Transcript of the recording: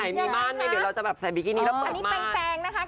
ไหนมีม่านไม่ได้เราจะกำลังใส่บิกินี้แล้วเปิดม่าน